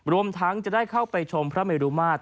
รวมทั้งจะได้เข้าไปชมพระเมรุมาตร